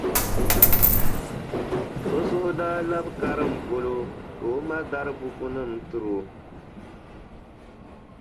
O suhu daa labi karim polo ka o ma dari bukunima n-tiri o.